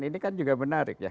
ini kan juga menarik ya